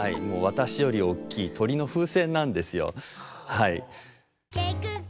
私より大きい鳥の風船なんですよはい。